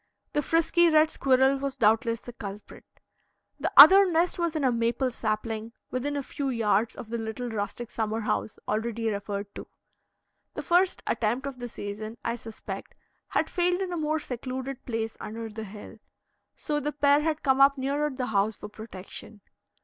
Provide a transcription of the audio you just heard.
The frisky red squirrel was doubtless the culprit. The other nest was in a maple sapling, within a few yards of the little rustic summer house already referred to. The first attempt of the season, I suspect, had failed in a more secluded place under the hill; so the pair had come up nearer the house for protection.